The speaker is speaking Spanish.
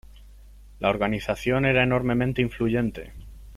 La organización era enormemente influyente.